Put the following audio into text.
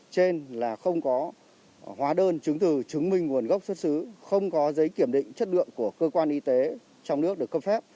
trên là không có hóa đơn chứng từ chứng minh nguồn gốc xuất xứ không có giấy kiểm định chất lượng của cơ quan y tế trong nước được cấp phép